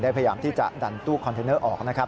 พยายามที่จะดันตู้คอนเทนเนอร์ออกนะครับ